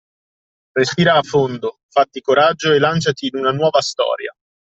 Respira a fondo, fatti coraggio e lanciati in una Nuova Storia.